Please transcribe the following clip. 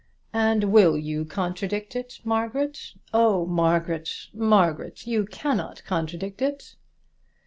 "And will you contradict it, Margaret? Oh, Margaret! Margaret! you cannot contradict it."